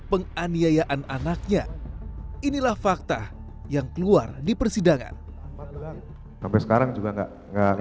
penganiayaan anaknya inilah fakta yang keluar di persidangan sampai sekarang juga enggak enggak